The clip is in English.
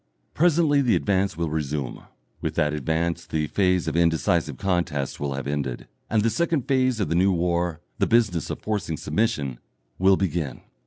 Presently the advance will resume. With that advance the phase of indecisive contest will have ended, and the second phase of the new war, the business of forcing submission, will begin.